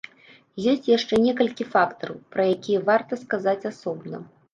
Ёсць яшчэ некалькі фактараў, пра якія варта сказаць асобна.